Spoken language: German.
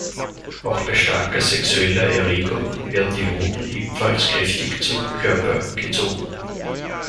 Auch bei starker sexueller Erregung werden die Hoden ebenfalls kräftig zum Körper gezogen.